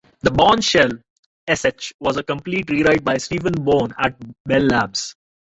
The Bourne shell, "sh", was a complete rewrite by Stephen Bourne at Bell Labs.